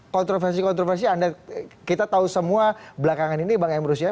kontroversi kontroversi anda kita tahu semua belakangan ini bang emrus ya